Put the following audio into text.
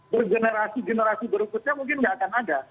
bergenerasi generasi berikutnya mungkin nggak akan ada